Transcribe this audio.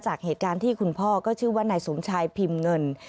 จากเหตุการณ์ที่คุณพ่อก็ชื่อว่านายสมชายพิมพ์เงิน